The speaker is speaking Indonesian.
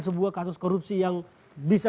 sebuah kasus korupsi yang bisa